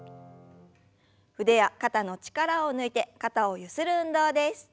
腕や肩の力を抜いて肩をゆする運動です。